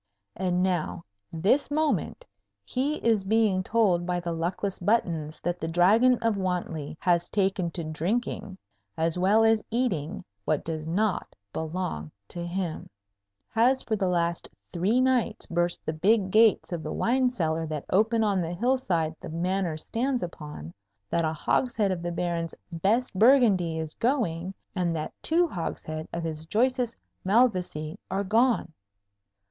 And now, this moment, he is being told by the luckless Buttons that the Dragon of Wantley has taken to drinking, as well as eating, what does not belong to him; has for the last three nights burst the big gates of the wine cellar that open on the hillside the Manor stands upon; that a hogshead of the Baron's best Burgundy is going; and that two hogsheads of his choicest Malvoisie are gone!